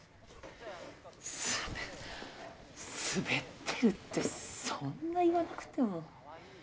スベスベってるってそんな言わなくても。